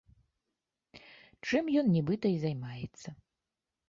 Чым ён, нібыта, і займаецца.